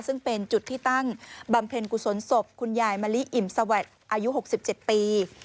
ซึ่งเป็นจุดที่ตั้งบำเพ็ญกุศลศพคุณยายมะลิอิ่มสวัสดิ์อายุ๖๗ปี